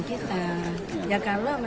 oh itu tidak ada keadaan kita